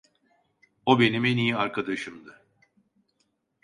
O benim en iyi arkadaşımdı.